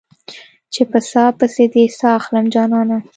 چې په ساه پسې دې ساه اخلم جانانه